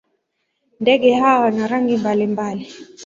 Ndege hawa wana rangi mbalimbali.